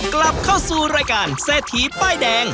กลับเข้าสู่รายการเศรษฐีป้ายแดง